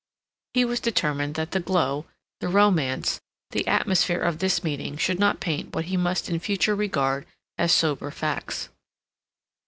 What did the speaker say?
He was determined that the glow, the romance, the atmosphere of this meeting should not paint what he must in future regard as sober facts.